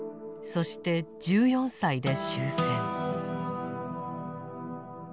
そして１４歳で終戦。